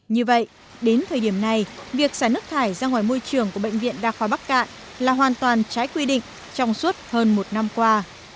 như vậy đến thời điểm này việc xả nước thải ra ngoài môi trường của bệnh viện đa khoa bắc cạn là hoàn toàn trái quy định trong suốt hơn một năm qua